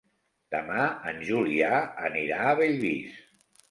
Demà en Julià anirà a Bellvís.